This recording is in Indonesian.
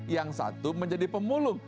yang satu menjadi pemulung